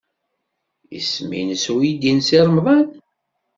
Isem-nnes uydi n Si Remḍan?